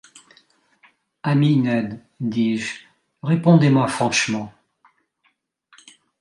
Ami Ned, dis-je, répondez-moi franchement.